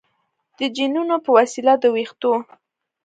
د جینونو په وسیله د ویښتو